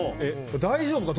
大丈夫か？